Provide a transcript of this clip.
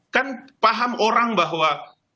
kan paham orang bahwa